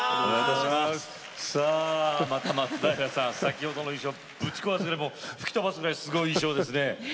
松平さん、先ほどの印象をぶち壊す、吹き飛ばすくらいすごい衣装ですね。